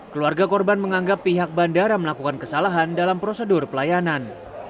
keluarga korban menganggap pihak bandara melakukan kesalahan dalam prosedur pelayanan